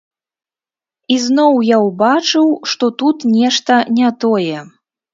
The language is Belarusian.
І зноў я ўбачыў, што тут нешта не тое.